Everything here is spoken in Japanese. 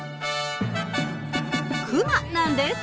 「クマ」なんです。